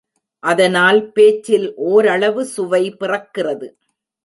அதனால் பேச்சில் ஓரளவு சுவை பிறக்கிறது.